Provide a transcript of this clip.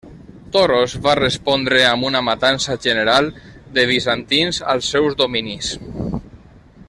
Toros va respondre amb una matança general de bizantins als seus dominis.